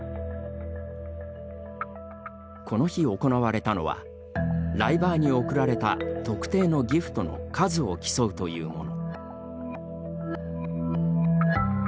この日、行われたのはライバーに送られた特定のギフトの数を競うというもの。